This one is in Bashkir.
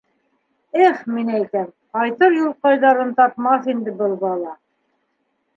Их, мин әйтәм, ҡайтыр юлҡайҙарын тапмаҫ инде был бала.